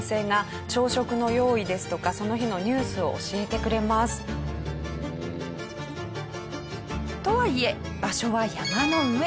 ふーん！とはいえ場所は山の上。